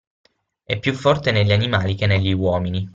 È più forte negli animali che negli uomini.